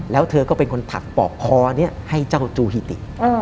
และเธอก็เป็นคนถักปอกคอเจ้าจูฮิติ